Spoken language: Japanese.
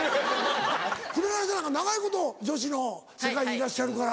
紅さんなんか長いこと女子の世界にいらっしゃるから。